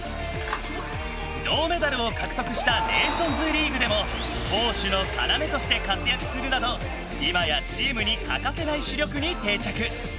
銅メダルを獲得したネーションズリーグでも攻守の要として活躍するなど今やチームに欠かせない主力に定着。